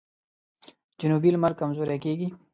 جنوبي لمر کمزوری کیږي.